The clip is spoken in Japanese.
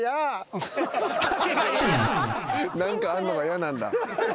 何かあるのが嫌なんだ。